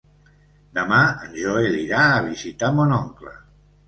Demà en Joel irà a visitar mon oncle.